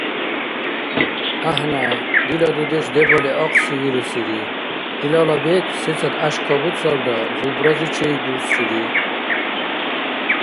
— ГӀяхӀна. Дила дудеш дебали ахъси вирусири. Илала бекӀ, сецад гӀяшкабурцалра, зубрази чейгусири.